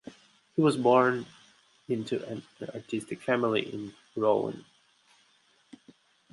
He was born into an artistic family in Rouen.